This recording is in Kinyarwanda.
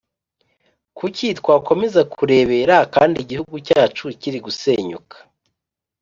Kuki twakomeza kurebera kandi igihugu cyacu kiri gusenyuka